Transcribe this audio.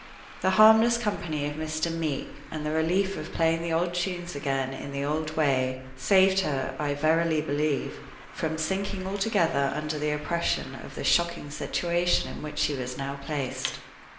The harmless company of Mr. Meeke, and the relief of playing the old tunes again in the old way, saved her, I verily believe, from sinking altogether under the oppression of the shocking situation in which she was now placed.